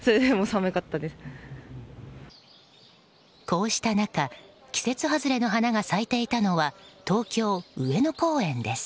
こうした中季節外れの花が咲いていたのは東京・上野公園です。